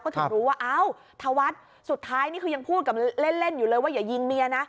ถึงรู้ว่าอ้าวธวัฒน์สุดท้ายนี่คือยังพูดกับเล่นอยู่เลยว่าอย่ายิงเมียนะ